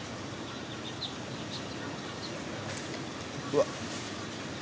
うわっ！